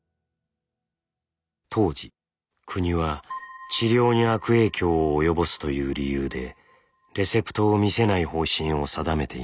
当時国は治療に悪影響を及ぼすという理由でレセプトを見せない方針を定めていました。